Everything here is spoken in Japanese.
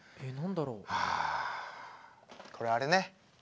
ああこれあれね。